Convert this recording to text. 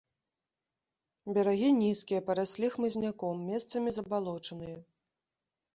Берагі нізкія, параслі хмызняком, месцамі забалочаныя.